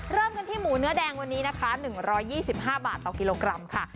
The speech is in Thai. เริ่มกันที่หมูเนื้อแดงวันนี้นะคะ๑๒๕บาทต่อกิโลกรัมค่ะ